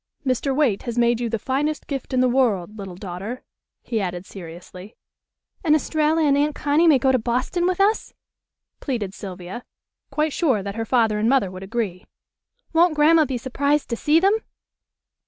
"Mr. Waite has made you the finest gift in the world, little daughter," he added seriously. "And Estralla and Aunt Connie may go to Boston with us?" pleaded Sylvia, quite sure that her father and mother would agree. "Won't Grandma be surprised to see them?"